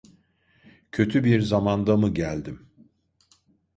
Kötü bir zamanda mı geldim?